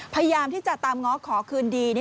พยายามที่จะตามง้อขอคืนดี